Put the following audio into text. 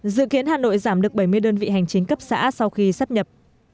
dự kiến hà nội giảm được bảy mươi đơn vị hành chính cấp xã sau khi sắp nhập